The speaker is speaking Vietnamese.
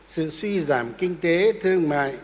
sự suy giảm kinh tế thương mại